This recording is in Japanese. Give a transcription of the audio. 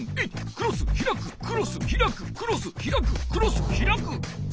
クロスひらくクロスひらくクロスひらくクロスひらく！